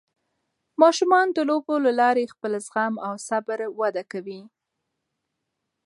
ماشومان د لوبو له لارې خپل زغم او صبر وده کوي.